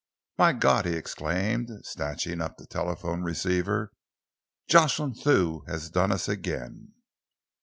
"My God!" he exclaimed, snatching up the telephone receiver. "Jocelyn Thew has done us again!"